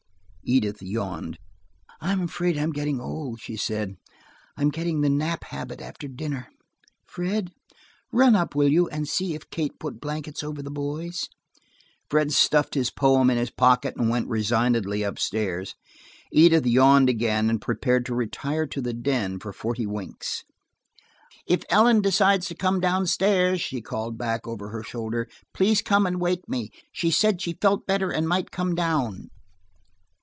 Edith yawned. "I'm afraid I'm getting old," she said, "I'm getting the nap habit after dinner. Fred, run up, will you, and see if Katie put blankets over the boys?" Fred stuffed his poem in his pocket and went resignedly up stairs. Edith yawned again, and prepared to retire to the den for forty winks. "If Ellen decides to come down stairs," she called back over her shoulder, "please come and wake me. She said she felt better and might come down."